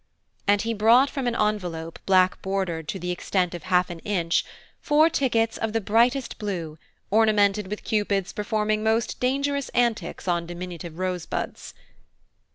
And he brought from an envelope black bordered to the extent of half an inch four tickets of the brightest blue, ornamented with Cupids performing most dangerous antics on diminutive rosebuds.